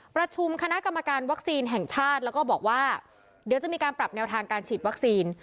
ประชุมคณะกรรมการวัคซีนแห่งชาติแล้วก็บอกว่าเดี๋ยวจะมีการปรับแนวทางการฉีดวัคซีน